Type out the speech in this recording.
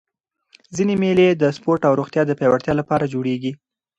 ځيني مېلې د سپورټ او روغتیا د پیاوړتیا له پاره جوړېږي.